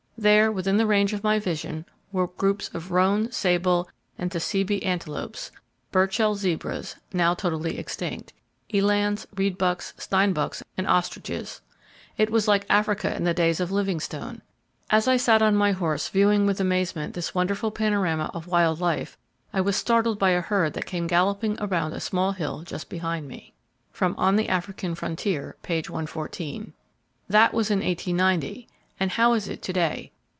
There, within the range of my vision were groups of roan, sable and tsessebi antelopes, Burchell zebras, [now totally extinct!] elands, reedbucks, steinbucks and ostriches. It was like Africa in the days of Livingstone. As I sat on my horse, viewing with amazement this wonderful panorama of wild life, I was startled by a herd that came galloping around a small hill just behind me."—("On the South African Frontier," p. 114.) That was in 1890. And how is it to day?